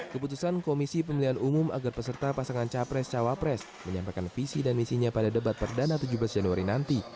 keputusan komisi pemilihan umum agar peserta pasangan capres cawapres menyampaikan visi dan misinya pada debat perdana tujuh belas januari nanti